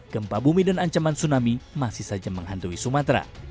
gempa bumi dan ancaman tsunami masih saja menghantui sumatera